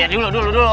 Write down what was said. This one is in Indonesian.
iya dulu dulu